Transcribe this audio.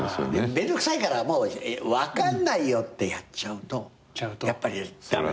めんどくさいからもう分かんないよってやっちゃうとやっぱり駄目。